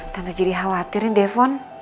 tante jadi khawatirin devon